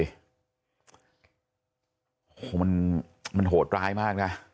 โอ้โหมันโหดร้ายมากนะ